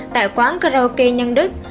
tại quán karaoke nhân đức